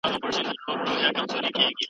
مرغۍ د موټر له غږ نه ووېرېدې.